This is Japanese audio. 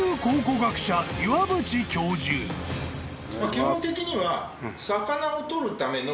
基本的には。